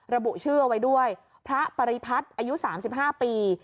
ระบุชื่อเอาไว้ด้วยพระปริพัฒน์อายุ๓๕ปี